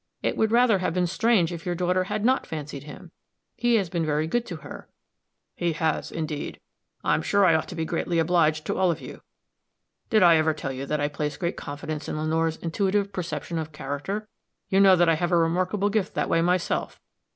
It would rather have been strange if your daughter had not fancied him. He has been very good to her." "He has, indeed; I'm sure I ought to be greatly obliged to all of you. Did I ever tell you that I place great confidence in Lenore's intuitive perception of character? You know that I have a remarkable gift that way myself.